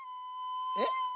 えっ？